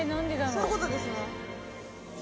そういうことですね